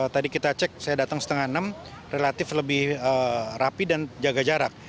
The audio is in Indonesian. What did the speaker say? tadi kita cek saya datang setengah enam relatif lebih rapi dan jaga jarak